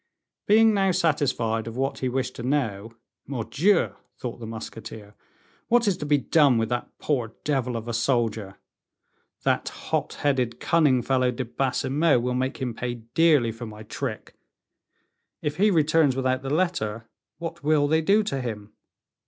Being now satisfied of what he wished to know: "Mordioux!" thought the musketeer, "what is to be done with that poor devil of a soldier? That hot headed, cunning fellow, De Baisemeaux, will make him pay dearly for my trick, if he returns without the letter, what will they do to him?